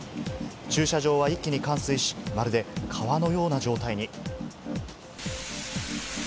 駐車場は一気に冠水し、まるで川のような状態に。